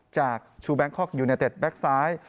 จากชูแบงคอกยูเนเต็ดแก๊กซ้าย